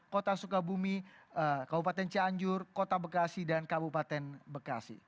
kota sukabumi kabupaten cianjur kota bekasi dan kabupaten bekasi